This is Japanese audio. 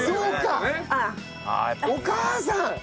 お母さん！